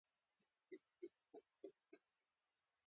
کله کله به مې له هغه سره د زړه خواله کوله.